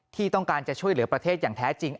ที่ต้องการจะช่วยเหลือประเทศอย่างแท้จริง